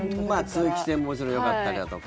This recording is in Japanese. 通気性ももちろんよかったりだとか。